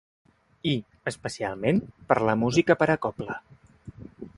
I, especialment, per la música per a cobla.